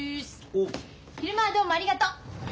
昼間はどうもありがとう。